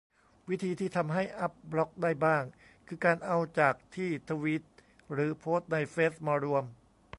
วิธีที่ทำให้อัปบล็อกได้บ้าง คือการเอาจากที่ทวีตหรือโพสต์ในเฟซมารวม